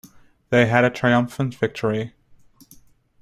They had a triumphant victory.